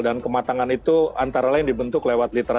dan kematangan itu antara lain dibentuk lewat media sosial